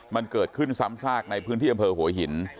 มันเกิดขึ้นซ้ำซากในพื้นที่อำเภอหัวหิน